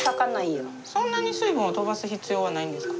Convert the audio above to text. そんなに水分を飛ばす必要はないんですか？